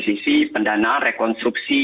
sisi pendanaan rekonstruksi